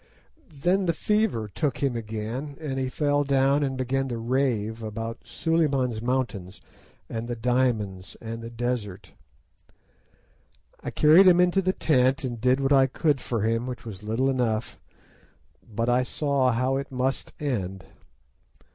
Then the fever took him again, and he fell down and began to rave about Suliman's Mountains, and the diamonds, and the desert. I carried him into the tent and did what I could for him, which was little enough; but I saw how it must end.